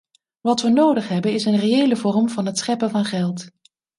Wat we nodig hebben is een reële vorm van het scheppen van geld.